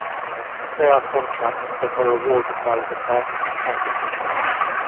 They are contracts that are awarded by the Department for Transport.